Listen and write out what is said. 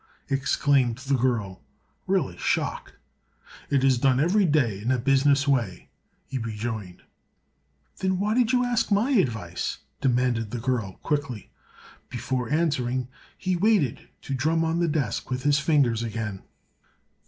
exclaimed the girl, really shocked. "It is done every day in a business way," he rejoined. "Then why did you ask my advice?" demanded the girl, quickly. Before answering he waited to drum on the desk with his fingers again.